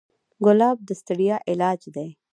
ګلاب د ستړیا علاج دی.